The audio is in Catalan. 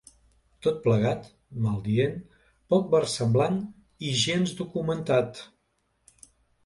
Tot plegat, maldient, poc versemblant i gens documentat.